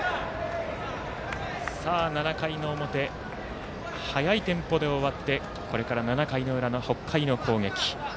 ７回の表、速いテンポで終わってこれから７回の裏の北海の攻撃。